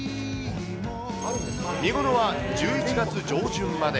見頃は１１月上旬まで。